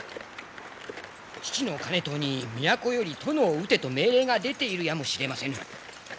父の兼遠に都より殿を討てと命令が出ているやもしれませぬ。